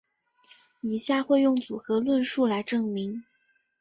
以下会用组合论述来证明。